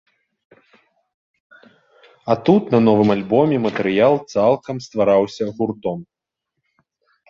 А тут, на новым альбоме, матэрыял цалкам ствараўся гуртом.